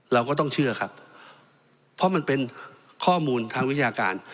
เราก็ต้องเชื่อครับเพราะมันเป็นข้อมูลทางวิชาการ